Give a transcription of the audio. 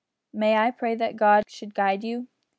May I pray that God should guide you?"